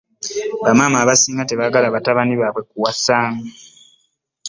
Bamaama abasinag tebaagala batabani baabwe kuwasa.